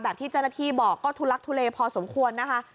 ที่เจ้าหน้าที่บอกก็ทุลักทุเลพอสมควรนะคะ